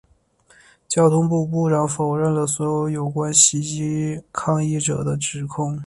交通部部长否认了所有有关袭击抗议者的指控。